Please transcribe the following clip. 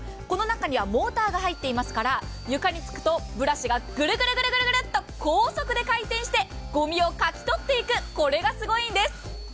この中にはモーターが入っていますから、床につくと、ブラシがぐるぐるぐるぐるっと高速で回転してごみをかき取っていく、これがすごいんです。